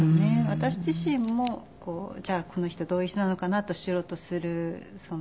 私自身もじゃあこの人どういう人なのかなと知ろうとする。